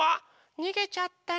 にげちゃったの。